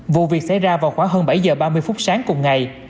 vụ việc xảy ra vào khoảng hơn bảy h ba mươi phút sáng cùng ngày